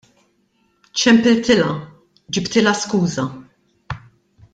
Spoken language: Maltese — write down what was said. Ċempiltilha, ġibtilha skuża.